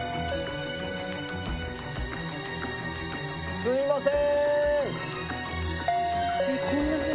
すいません。